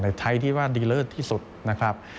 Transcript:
ไทยที่ว่าดีเลิศที่สุดนะครับ